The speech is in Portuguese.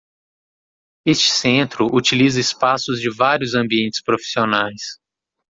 Este centro utiliza espaços de vários ambientes profissionais.